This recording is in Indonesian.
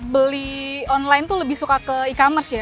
beli online tuh lebih suka ke e commerce ya